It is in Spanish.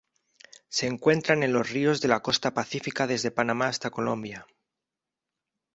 Se encuentran en los ríos de la costa pacífica desde Panamá hasta Colombia.